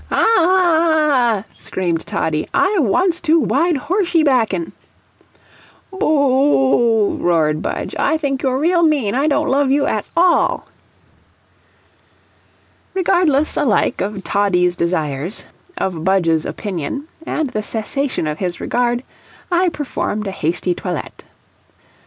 "Ah h h h h h h," screamed Toddie, "I wants to wide horshie backen." "Boo oo oo oo ," roared Budge, "I think you're real mean. I don't love you at all." Regardless alike of Toddie's desires, of Budge's opinion, and the cessation of his regard, I performed a hasty toilet.